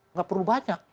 nggak perlu banyak